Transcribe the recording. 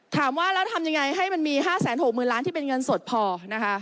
ถามว่าแล้วทำยังไงให้มันมี๕๖๐๐๐ล้านที่เป็นเงินสดพอนะคะ